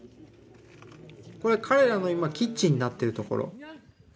これ彼らの今キッチンになっているところ。